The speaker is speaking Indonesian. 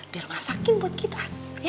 biar masakin buat kita